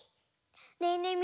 ねえねえ